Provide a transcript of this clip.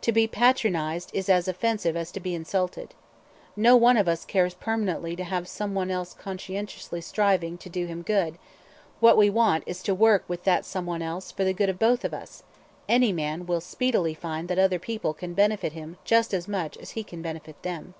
To be patronized is as offensive as to be insulted. No one of us cares permanently to have some one else conscientiously striving to do him good; what we want is to work with that some one else for the good of both of us any man will speedily find that other people can benefit him just as much as he can benefit them.